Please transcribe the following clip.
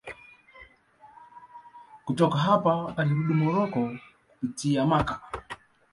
Kutoka hapa alirudi Moroko kupitia Makka.